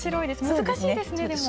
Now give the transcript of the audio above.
難しいですねでも。